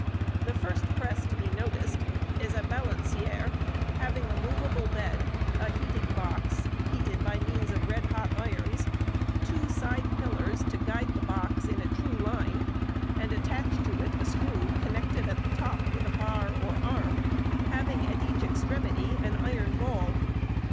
The first press to be noticed is a Balancier, having a moveable bed, a heating box, heated by means of red hot irons, two side pillars to guide the box in a true line, and attached to it a screw connected at the top with a bar or arm, having at each extremity an iron ball.